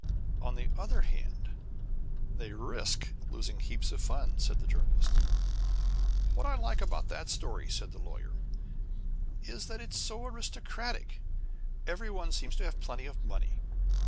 '" "On the other hand, they risk losing heaps of fun," said the Journalist. "What I like about that story," said the Lawyer, "is that it is so aristocratic. Every one seems to have plenty of money.